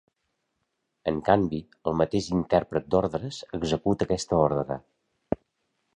En canvi, el mateix intèrpret d'ordres, executa aquesta ordre.